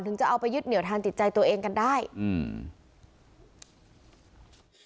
จะเอาไปยึดเหนียวทางจิตใจตัวเองกันได้อืม